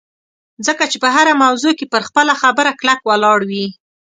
ځکه چې په هره موضوع کې پر خپله خبره کلک ولاړ وي